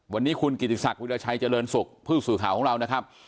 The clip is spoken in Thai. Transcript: วันนี้คุณกิติศักดิราชัยเจริญสุขผู้สื่อข่าวของเรานะครับ